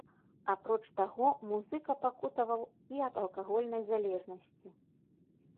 Апроч таго, музыка пакутаваў і ад алкагольнай залежнасці.